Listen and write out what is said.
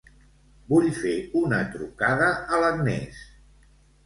Vull fer una trucada a l'Agnès.